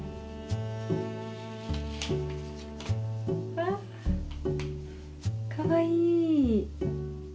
わあかわいい。